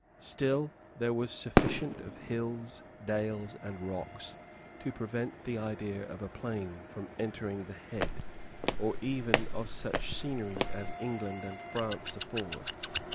Still there was sufficient of hills, dales, and rocks to prevent the idea of a plain from entering the head, or even of such scenery as England and France afford.